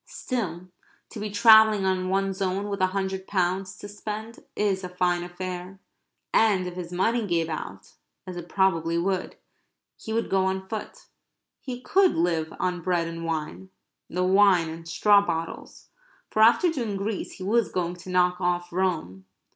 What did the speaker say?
Still, to be travelling on one's own with a hundred pounds to spend is a fine affair. And if his money gave out, as it probably would, he would go on foot. He could live on bread and wine the wine in straw bottles for after doing Greece he was going to knock off Rome.